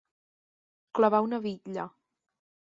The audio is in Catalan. Clavar una bitlla.